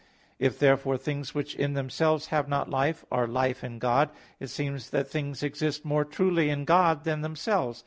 If, therefore, things which in themselves have not life, are life in God, it seems that things exist more truly in God than themselves.